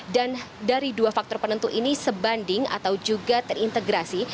dan dari dua faktor penentu ini sebanding atau juga terintegrasi